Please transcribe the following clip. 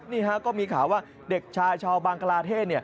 นี่ฮะก็มีข่าวว่าเด็กชายชาวบางกลาเทศ